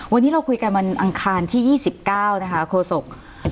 วันนี้เราคุยกันวันอังคารที่๒๙นะคะโฆษก